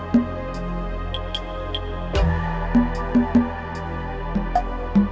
gini aja dia kalahkan